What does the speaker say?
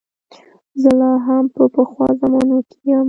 زه لا هم په پخوا زمانو کې یم.